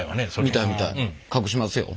見たい見たい。隠しますよ。